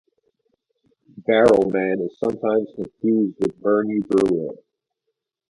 Barrelman is sometimes confused with Bernie Brewer.